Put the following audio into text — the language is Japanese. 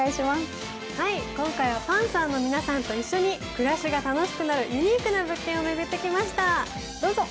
今回はパンサーの皆さんと一緒に暮らしが楽しくなるユニークな物件を巡ってきました。